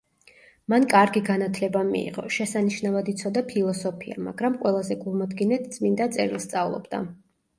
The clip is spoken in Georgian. მან კარგი განათლება მიიღო, შესანიშნავად იცოდა ფილოსოფია, მაგრამ ყველაზე გულმოდგინედ წმინდა წერილს სწავლობდა.